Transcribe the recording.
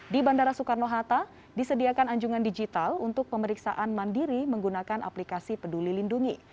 di bandara soekarno hatta disediakan anjungan digital untuk pemeriksaan mandiri menggunakan aplikasi peduli lindungi